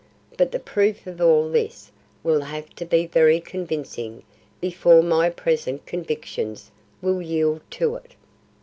But the proof of all this will have to be very convincing before my present convictions will yield to it.